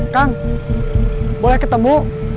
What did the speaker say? kang boleh ketemu